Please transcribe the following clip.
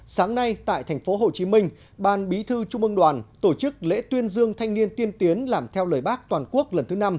sáng nay tại thành phố hồ chí minh ban bí thư trung ương đoàn tổ chức lễ tuyên dương thanh niên tiên tiến làm theo lời bác toàn quốc lần thứ năm